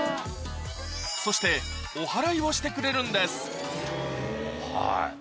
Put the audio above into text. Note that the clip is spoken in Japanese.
そしてお祓いをしてくれるんですはいＫＯＯ